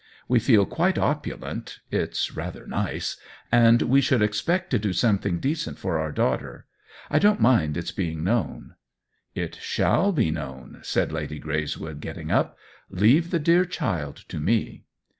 We feel quite opulent (it's rather nice !)', and we should expect to do something decent for our daughter. I don't mind it's being known." "It shall be known," said Lady Greys wood, getting up. " Leave the dear child to me."